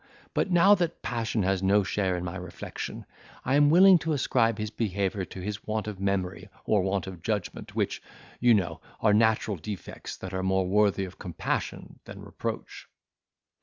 But now that passion has no share in my reflection, I am willing to ascribe his behaviour to his want of memory or want of judgment, which, you know, are natural defects, that are more worthy of compassion than reproach.